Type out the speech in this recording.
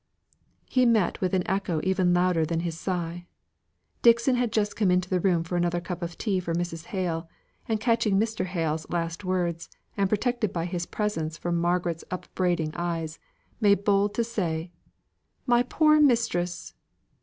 He met with an echo even louder than his sigh. Dixon had just come into the room for another cup of tea for Mrs. Hale, and catching Mr. Hale's last words, and protected by his presence from Margaret's upbraiding eyes, made bold to say, "My poor mistress!"